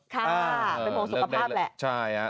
ค่ะเป็นห่วงสุขภาพแหละ